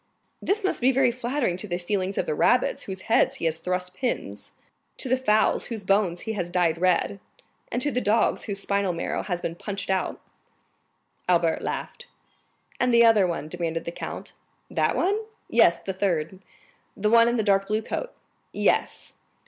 "This must be very flattering to the feelings of the rabbits into whose heads he has thrust pins, to the fowls whose bones he has dyed red, and to the dogs whose spinal marrow he has punched out?" Albert laughed. "And the other one?" demanded the count. "That one?" "Yes, the third." "The one in the dark blue coat?" "Yes."